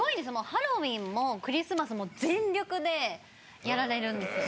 ハロウィンもクリスマスも全力でやられるんですよ。